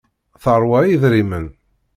Teṛwa idrimen.